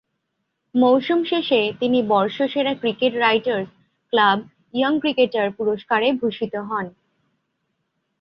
মৌসুম শেষে তিনি বর্ষসেরা cricket writers club young cricketer পুরস্কারে ভূষিত হন।